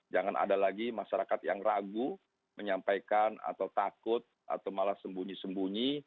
jangan ada lagi masyarakat yang ragu menyampaikan atau takut atau malah sembunyi sembunyi